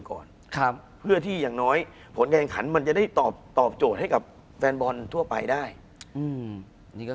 คุณผู้ชมบางท่าอาจจะไม่เข้าใจที่พิเตียร์สาร